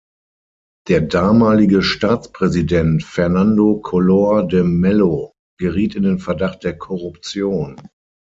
Der damalige Staatspräsident Fernando Collor de Mello geriet in den Verdacht der Korruption.